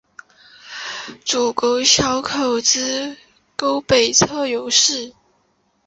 主沟小口子沟北侧有寺。